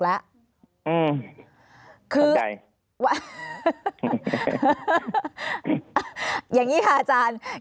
ภารกิจสรรค์ภารกิจสรรค์